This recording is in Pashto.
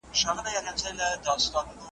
دا معلومات د متخصصینو لخوا چمتو سوي دي.